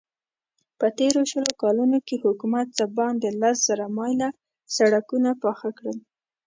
په تېرو شلو کالو کې حکومت څه باندې لس زره مايله سړکونه پاخه کړل.